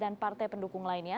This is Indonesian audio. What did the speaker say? dan partai pendukung lainnya